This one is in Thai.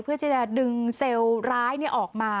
เพื่อที่จะดึงเซลล์ร้ายออกมา